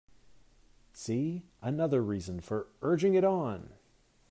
See another reason for urging it on!